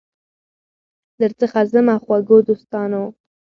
درڅخه ځمه خوږو دوستانو